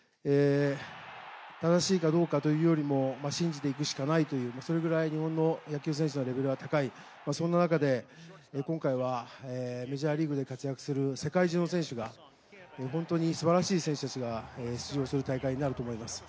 正しいかどうかというよりも、信じていくしかないという、それぐらい日本の野球選手のレベルは高いそんな中で今回はメジャーリーグで活躍する世界中の選手が本当にすばらしい選手たちが出場する大会になると思います。